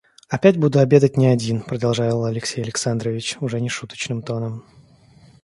Опять буду обедать не один, — продолжал Алексей Александрович уже не шуточным тоном.